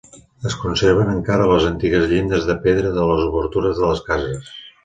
Es conserven encara les antigues llindes de pedra de les obertures de les cases.